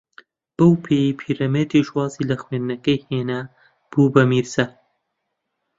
بەو پێیەی پیرەمێردیش وازی لە خوێندنەکەی ھێنا، بوو بە میرزا